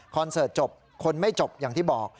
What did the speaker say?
เสิร์ตจบคนไม่จบอย่างที่บอก